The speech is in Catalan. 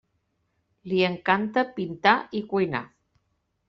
Li encanta pintar i cuinar.